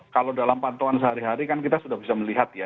kalau dalam pantauan sehari hari kan kita sudah bisa melihat ya